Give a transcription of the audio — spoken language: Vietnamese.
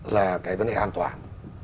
là cái vấn đề an toàn